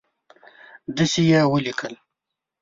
دسي یې ولیکه